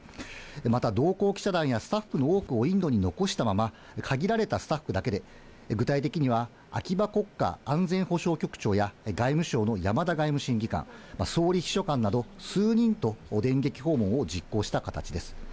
また、同行記者団やスタッフの多くをインドに残したまま、限られたスタッフだけで、具体的には秋葉国家安全保障局長や外務省のやまだ外務審議官、総理秘書官など数人と電撃訪問を実行した形です。